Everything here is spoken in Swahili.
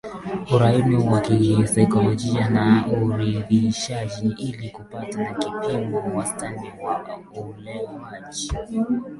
uraibu wa kisaikolojia na uridhishaji ili kupata kipimo wastani cha ulewaji